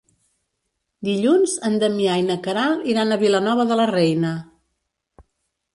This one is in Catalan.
Dilluns en Damià i na Queralt iran a Vilanova de la Reina.